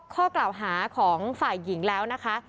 ข้อกล่าวหาของฝ่ายหญิงแล้วนะคะ